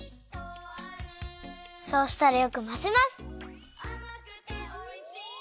そうしたらよくまぜます。